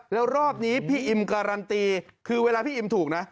แล้วรอบนี้พี่อิมการันตีคือเวลาพี่อิมถูกนะ